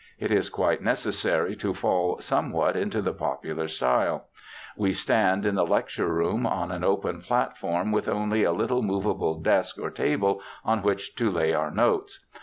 It is quite necessary to fall somewhat into the popular style. We stand, in the lecture room, on an open platform with only a little movable desk or table, on which to lay our notes.